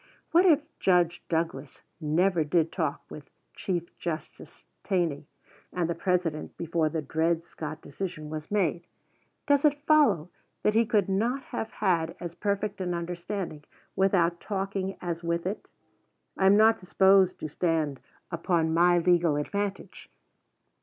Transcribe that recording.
What if Judge Douglas never did talk with Chief Justice Taney and the President before the Dred Scott decision was made: does it follow that he could not have had as perfect an understanding without talking as with it? I am not disposed to stand upon my legal advantage.